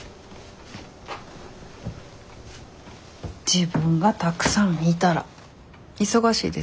自分がたくさんいたら忙しいですよ。